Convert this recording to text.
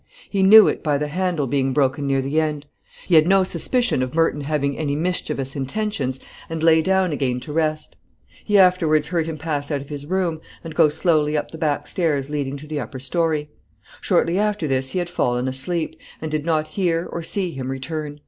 He knew it by the handle being broken near the end. He had no suspicion of Merton having any mischievous intentions, and lay down again to rest. He afterwards heard him pass out of his room, and go slowly up the back stairs leading to the upper story. Shortly after this he had fallen asleep, and did not hear or see him return.